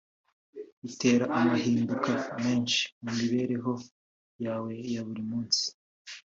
Bitera amahinduka menshi mu mibereho yawe ya buri munsi